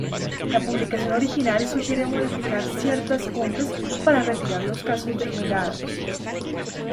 La publicación original sugiere modificar ciertas cumbres para retirar los casos degenerados.